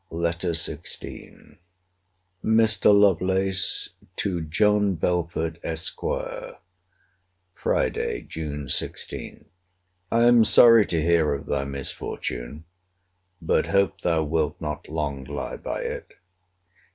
LETTER XVI MR. LOVELACE, TO JOHN BELFORD, ESQ. FRIDAY, JUNE 16. I am sorry to hear of thy misfortune; but hope thou wilt not long lie by it.